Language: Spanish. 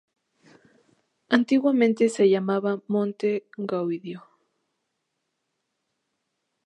Antiguamente se llamaba Monte Gaudio.